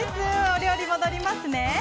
お料理戻りますね。